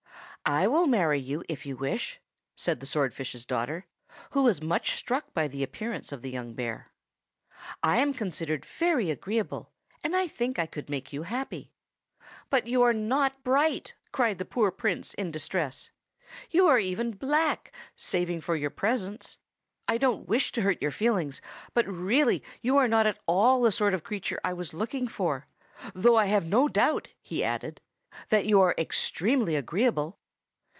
"I will marry you if you wish," said the swordfish's daughter, who was much struck by the appearance of the young bear. "I am considered very agreeable, and I think I could make you happy." "But you are not bright," cried the poor Prince in distress. "You are even black, saving your presence. I don't wish to hurt your feelings, but really you are not at all the sort of creature I was looking for; though I have no doubt," he added, "that you are extremely agreeable."